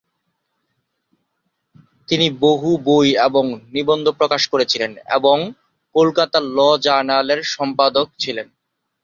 তিনি বহু বই এবং নিবন্ধ প্রকাশ করেছিলেন এবং কলকাতা ল জার্নালের সম্পাদক ছিলেন।